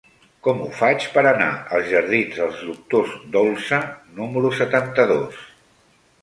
Com ho faig per anar als jardins dels Doctors Dolsa número setanta-dos?